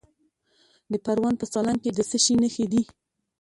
د پروان په سالنګ کې د څه شي نښې دي؟